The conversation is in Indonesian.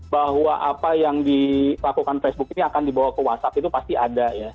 bahwa apa yang dilakukan facebook ini akan dibawa ke whatsapp itu pasti ada ya